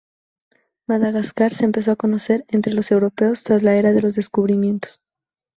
Madagascar se empezó a conocer entre los europeos tras la Era de los Descubrimientos.